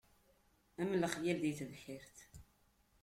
Am lexyal di tebḥirt.